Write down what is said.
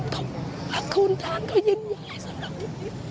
ขอบคุณท่านก็ยืนย้ายสำหรับพวกเรา